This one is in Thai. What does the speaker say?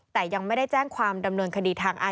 แต่ยังไม่ได้แจ้งความดำเนินคดีทางอา